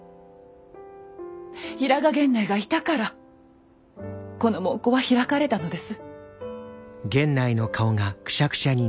平賀源内がいたからこの門戸は開かれたのです。